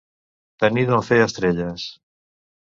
Tenir d'on fer estelles.